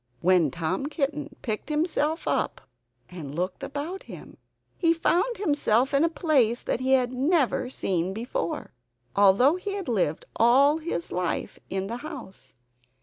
When Tom Kitten picked himself up and looked about him, he found himself in a place that he had never seen before, although he had lived all his life in the house.